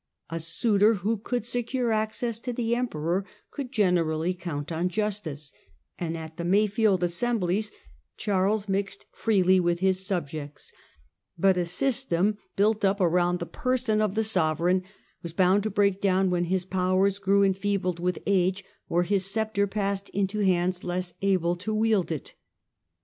A suitor who could secure access to the Emperor could generally count on justice, and at the Mayfield assemblies Charles mixed freely with his subjects ; but a system built up around the person of the sovereign was bound to break down when his powers grew enfeebled with age or his sceptre passed into hands less able to wield it.